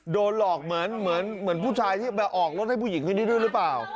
โดนหลอกเหมือนผู้ชายที่มาออกรถให้ผู้หญิงคนนี้ด้วยหรือเปล่า